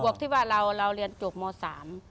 บวกที่ว่าเราเรียนจบม๓